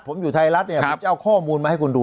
ผมอยู่ไทยรัฐเนี่ยผมจะเอาข้อมูลมาให้คุณดู